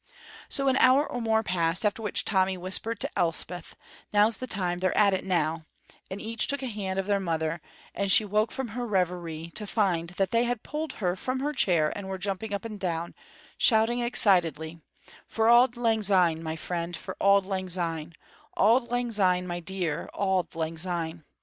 So an hour or more passed, after which Tommy whispered to Elspeth: "Now's the time; they're at it now," and each took a hand of their mother, and she woke from her reverie to find that they had pulled her from her chair and were jumping up and down, shouting, excitedly, "For Auld Lang Syne, my dear, for Auld Lang Syne, Auld Lang Syne, my dear, Auld Lang Syne."